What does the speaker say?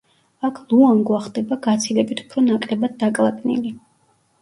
აქ ლუანგვა ხდება გაცილებით უფრო ნაკლებად დაკლაკნილი.